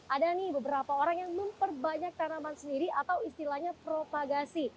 ada nih beberapa orang yang memperbanyak tanaman sendiri atau istilahnya propagasi